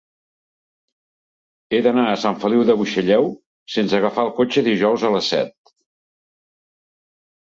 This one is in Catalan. He d'anar a Sant Feliu de Buixalleu sense agafar el cotxe dijous a les set.